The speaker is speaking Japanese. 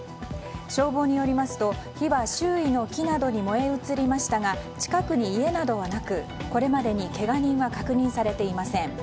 消防によりますと火は周囲の木などに燃え移りましたが近くに家などはなくこれまでにけが人は確認されていません。